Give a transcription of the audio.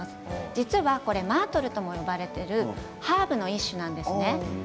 実はこれマートルと呼ばれるハーブの一種なんです。